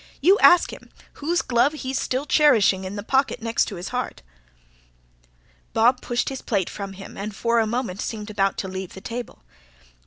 You ask him whose glove he's still cherishing in the pocket next his heart." Bob pushed his plate from him and, for a moment, seemed about to leave the table.